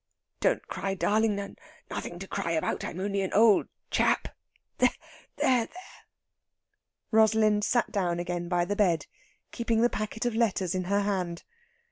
Don't cry, darling. Nothing to cry about! I'm only an old chap. There, there!" Rosalind sat down again by the bed, keeping the packet of letters in her hand.